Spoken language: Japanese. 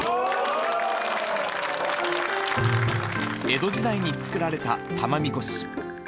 江戸時代に作られた玉神輿。